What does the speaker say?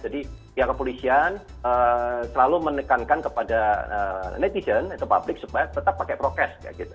jadi yang kepolisian selalu menekankan kepada netizen atau publik supaya tetap pakai prokes